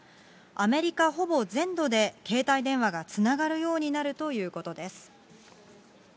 アメリカほぼ全土で携帯電話がつながるようになるということです。